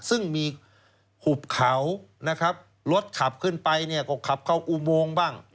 ซึ่งมีหุบเขารถขับขึ้นไปก็ขับเข้าอุโมงบ้าง